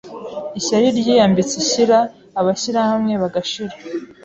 Ishyari ryiyambitse ishyira Abashyirahamwe bagashira